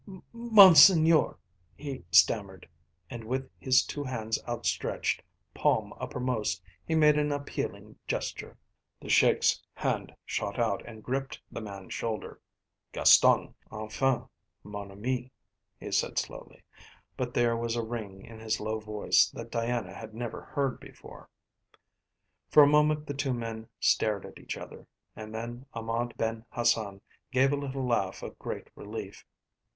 "Monseigneur " he stammered, and with his two hands outstretched, palm uppermost, he made an appealing gesture. The Sheik's hand shot out and gripped the man's shoulder. "Gaston! Enfin, mon ami!" he said slowly, but there was a ring in his low voice that Diana had never heard before. For a moment the two men stared at each other, and then Ahmed Ben Hassan gave a little laugh of great relief.